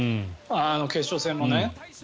決勝戦もね。